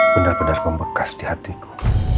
benar benar pembekas di hatiku